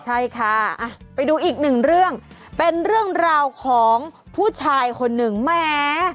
ใช่ค่ะไปดูอีกหนึ่งเรื่องเป็นเรื่องราวของผู้ชายคนหนึ่งแหม